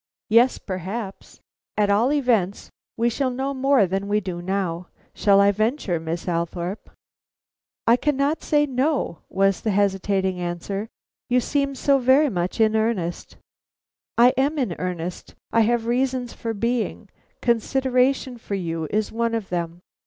"Yes, perhaps." "At all events, we shall know more than we do now. Shall I venture, Miss Althorpe?" "I cannot say no," was the hesitating answer; "you seem so very much in earnest." "And I am in earnest. I have reasons for being; consideration for you is one of them."